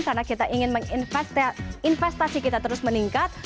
karena kita ingin investasi kita terus meningkat